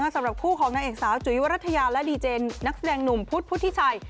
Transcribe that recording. สำหรับคู่ของนางเอกสาวจุ๋ยวรัฐยาและดีเจนนักแสดงหนุ่มพุทธพุทธิชัย